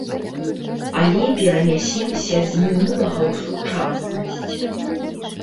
Але перанясемся з мінулага ў сучаснасць.